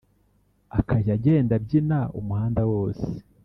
akajya agenda abyina umuhanda wose